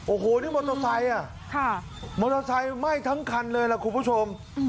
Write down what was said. โอ้โหนี่มอเตอร์ไซค์มอเตอร์ไซค์ไหม้ทั้งคันเลยล่ะคุณผู้ชม